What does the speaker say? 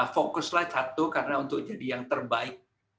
fokuslah satu karena untuk jadi yang terbaik